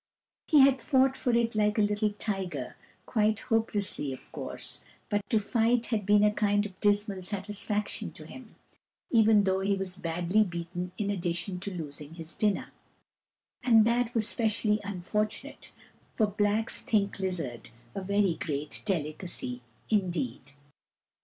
He had fought for it like a little tiger — quite hopelessly, of course, but to fight had been a kind of dismal satisfaction to him, even though he was badly beaten in addition to losing his dinner ; and that was specially unfor tunate, for blacks think lizard a very great delicacy indeed.